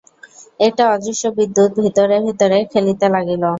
একটা অদৃশ্য বিদ্যুৎ ভিতরে ভিতরে খেলিতে লাগিল।